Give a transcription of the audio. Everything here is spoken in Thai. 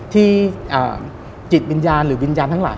จิตวิญญาณหรือวิญญาณทั้งหลาย